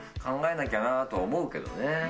考えなきゃなと思うけどね。